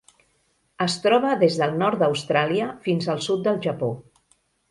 Es troba des del nord d'Austràlia fins al sud del Japó.